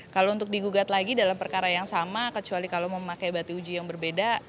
kalau untuk digugat lagi dalam perkara yang sama kecuali kalau memakai batu uji yang berbeda